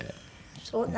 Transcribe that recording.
そうなの？